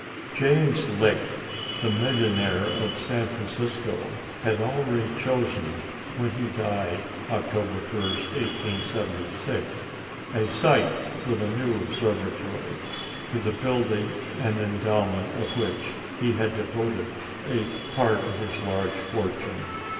James Lick, the millionaire of San Francisco, had already chosen, when he died, October 1, 1876, a site for the new observatory, to the building and endowment of which he had devoted a part of his large fortune.